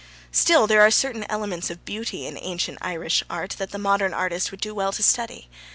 Still, there are certain elements of beauty in ancient Irish art that the modern artist would do well to study.